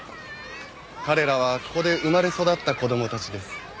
彼らはここで生まれ育った子供たちです。